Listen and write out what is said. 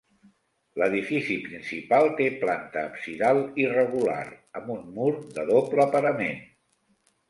L'edifici principal té planta absidal irregular, amb un mur de doble parament.